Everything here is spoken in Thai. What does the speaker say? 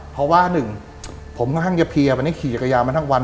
เพราะว่าหนึ่งผมค่อนข้างจะเพียวันนี้ขี่จักรยานมาทั้งวัน